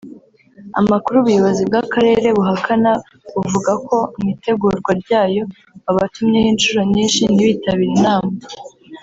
Amakuru ubuyobozi bw’akarere buhakana buvuga ko mu itegurwa ryaryo babatumyeho inshuro nyinshi ntibitabire inama